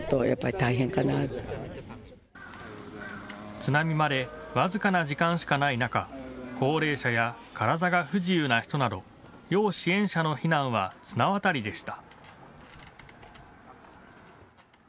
津波まで僅かな時間しかない中、高齢者や体が不自由な人など要支援者の避難は綱渡りでした。